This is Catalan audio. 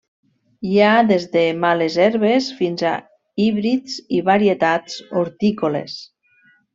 Hi ha des de males herbes fins a híbrids i varietats hortícoles.